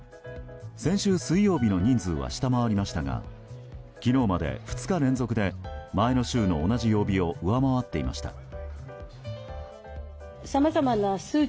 先週水曜日の人数は下回りましたが昨日まで２日連続で前の週の同じ曜日を上回っていました。